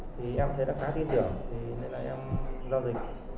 thì em thấy đã khá tin tưởng thế là em lo gì